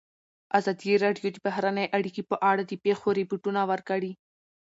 ازادي راډیو د بهرنۍ اړیکې په اړه د پېښو رپوټونه ورکړي.